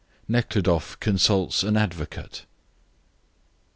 NEKHLUDOFF CONSULTS AN ADVOCATE.